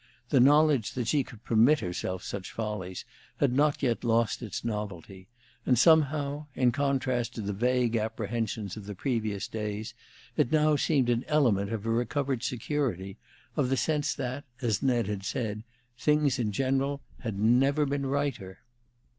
The knowledge that she could permit herself such follies had not yet lost its novelty; and somehow, in contrast to the vague apprehensions of the previous days, it now seemed an element of her recovered security, of the sense that, as Ned had said, things in general had never been "righter."